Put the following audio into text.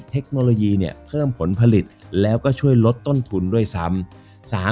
เทคโนโลยีเพิ่มผลผลิตแล้วก็ช่วยลดต้นทุนด้วยซ้ำ